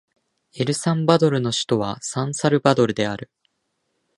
エルサルバドルの首都はサンサルバドルである